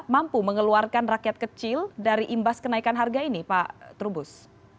mampu mengeluarkan rakyat kecil dari imbas kenaikan harga ini pak trubus